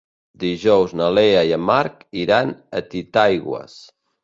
Dijous na Lea i en Marc iran a Titaigües.